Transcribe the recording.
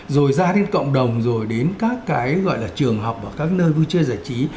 rồi ra đến cộng đồng rồi đến các cái gọi là trường học hoặc các nơi vui chơi giải trí